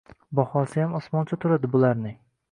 Bahosiyam osmoncha turadi bularning